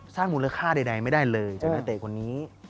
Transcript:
สร้างมูลค่าใดไม่ได้เลยใช่ไหมเตะคนนี้